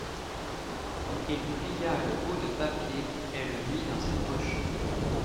il plia le bout de papier et le mit dans sa poche.